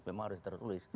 memang harus tertulis